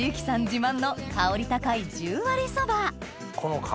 自慢の香り高い十割そば